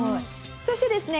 そしてですね